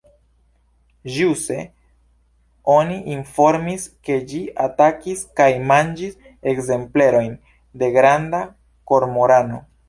Ĵuse oni informis, ke ĝi atakis kaj manĝis ekzemplerojn de granda kormorano.